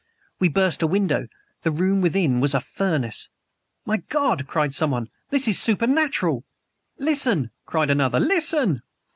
We burst a window. The room within was a furnace! "My God!" cried someone. "This is supernatural!" "Listen!" cried another. "Listen!"